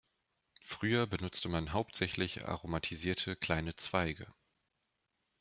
Früher benutzte man hauptsächlich aromatisierte kleine Zweige.